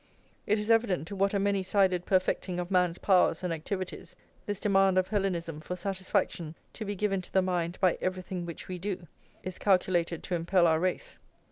It is evident to what a many sided perfecting of man's powers and activities this demand of Hellenism for satisfaction to be given to the mind by everything which we do, is calculated to impel our race.